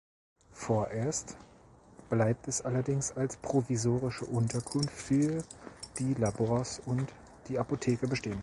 Vorerst bleibt es allerdings als provisorische Unterkunft für die Labors und die Apotheke bestehen.